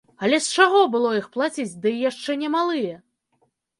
Але з чаго было іх плаціць, дый яшчэ немалыя?